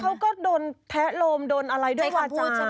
เขาก็โดนแทะโลมโดนอะไรด้วยวาจาใช่ไหม